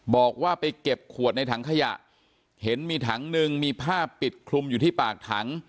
บอกว่าไปเก็บขวดในถังขยะเห็นมีถังหนึ่งมีผ้าปิดคลุมอยู่ที่ปากถัง